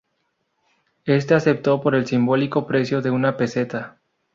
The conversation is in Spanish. Este aceptó por el simbólico precio de una peseta.